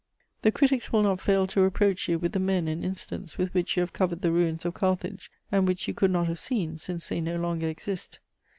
"The critics will not fail to reproach you with the men and incidents with which you have covered the ruins of Carthage and which you could not have seen, since they no longer exist.